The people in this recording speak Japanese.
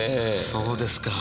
そうですか。